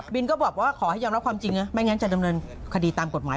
ก็บอกว่าขอให้ยอมรับความจริงนะไม่งั้นจะดำเนินคดีตามกฎหมาย